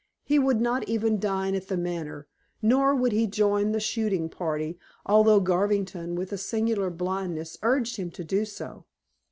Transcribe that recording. He would not even dine at The Manor, nor would he join the shooting party, although Garvington, with a singular blindness, urged him to do so.